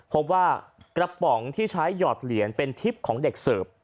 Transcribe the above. พบว่ากระป๋องที่ใช้หยอดเหรียญเป็นทริปของเด็กเสิร์ฟ